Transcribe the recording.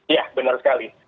ya benar sekali